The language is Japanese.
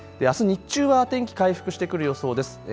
あす日中は天気回復してくる予想です。